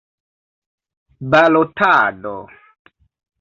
balotado